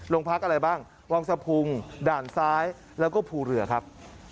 พักอะไรบ้างวังสะพุงด่านซ้ายแล้วก็ภูเรือครับ